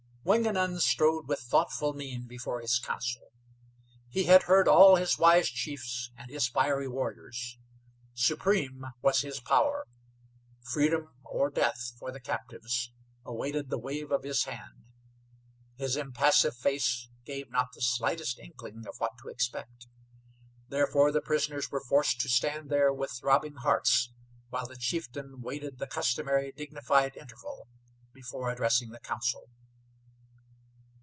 Wingenund strode with thoughtful mien before his council. He had heard all his wise chiefs and his fiery warriors. Supreme was his power. Freedom or death for the captives awaited the wave of his hand. His impassive face gave not the slightest inkling of what to expect. Therefore the prisoners were forced to stand there with throbbing hearts while the chieftain waited the customary dignified interval before addressing the council.